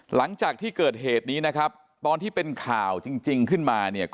หลังจากที่เกิดเหตุนี้นะครับตอนที่เป็นข่าวจริงขึ้นมาเนี่ย